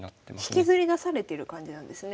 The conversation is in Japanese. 引きずり出されてる感じなんですね